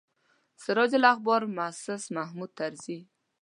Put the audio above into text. سراج الاخبار موسس محمود طرزي.